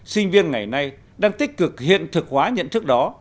sinh viên ngày nay đang tích cực hiện thực hóa nhận thức đó